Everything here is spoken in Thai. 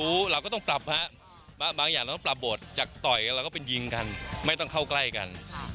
เราก็ต้องปรับฮะบางอย่างเราต้องปรับบทจากต่อยกันเราก็เป็นยิงกันไม่ต้องเข้าใกล้กัน